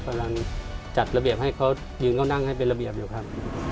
กำลังจัดระเบียบให้เขายืนเขานั่งให้เป็นระเบียบอยู่ครับ